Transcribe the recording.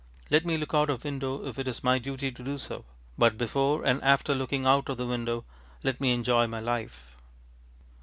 Let me look out of window if it is my duty to do so; but, before and after looking out of the window, let me enjoy my life.